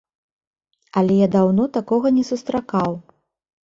Але я даўно такога не сустракаў.